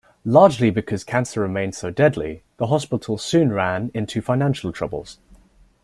Largely because cancer remained so deadly, the hospital soon ran into financial troubles.